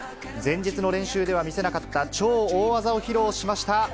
前日の練習では見せなかった超大技を披露しました。